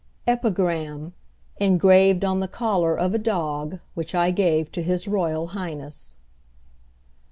EPIGRAM, ENGRAVED ON THE COLLAR OF A DOG WHICH I GAVE TO HIS ROYAL HIGHNESS.